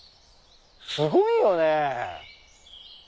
すごいよね。